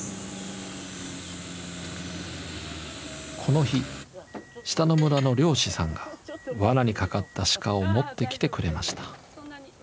この日下の村の猟師さんがワナにかかった鹿を持ってきてくれました。